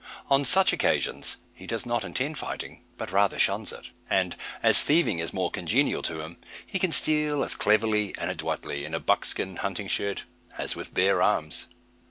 On such occasions he does not intend fighting, but rather shuns it. And, as thieving is more congenial to him, he can steal as cleverly and adroitly in a buckskin hunting shirt, as with bare arms.